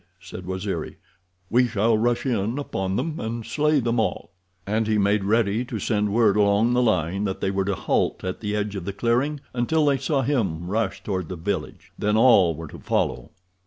said Waziri. "We shall rush in upon them and slay them all," and he made ready to send word along the line that they were to halt at the edge of the clearing until they saw him rush toward the village—then all were to follow.